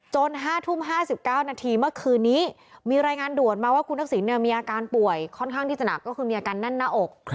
๕ทุ่ม๕๙นาทีเมื่อคืนนี้มีรายงานด่วนมาว่าคุณทักษิณมีอาการป่วยค่อนข้างที่จะหนักก็คือมีอาการแน่นหน้าอก